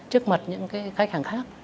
trước mặt những khách hàng khác